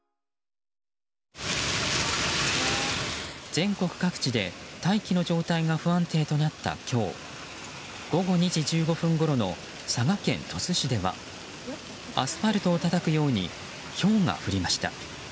全国各地で大気の状態が不安定となった今日午後２時１５分ごろの佐賀県鳥栖市ではアスファルトをたたくようにひょうが降りました。